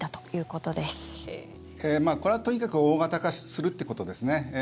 これはとにかく大型化するということですね。